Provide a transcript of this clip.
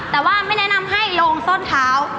แต่ว่าไม่แนะนำให้ลงต้นเท้า